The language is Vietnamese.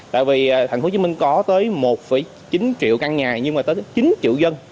tại vì thành phố hồ chí minh có tới một chín triệu căn nhà nhưng mà tới chín triệu dân